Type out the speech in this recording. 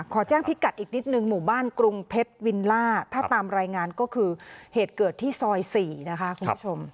ขอแจ้งพิกัดอีกนิดนึงหมู่บ้านกรุงเพชรวิลล่าถ้าตามรายงานก็คือเหตุเกิดที่ซอย๔นะคะคุณผู้ชม